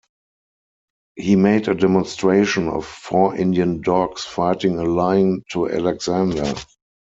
He made a demonstration of four Indian dogs fighting a lion to Alexander.